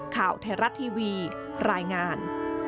ข่าวเทราะห์ทีวีรายงาน